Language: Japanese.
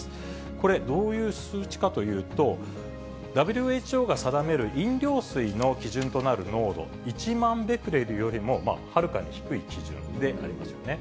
これ、どういう数値かというと、ＷＨＯが定める飲料水の基準となる濃度、１万ベクレルよりもまあ、はるかに低い基準でありますよね。